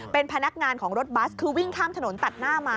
เป็นพนักงานของรถบัสคือวิ่งข้ามถนนตัดหน้ามา